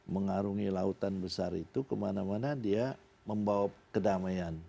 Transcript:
mengarungi lautan besar itu kemana mana dia membawa kedamaian